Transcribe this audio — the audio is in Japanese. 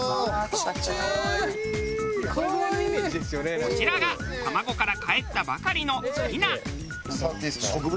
こちらが卵からかえったばかりのひな。